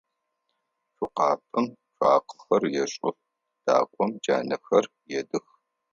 Цокъапӏэм цуакъэхэр ешӏых, дакӏом джанэхэр едых.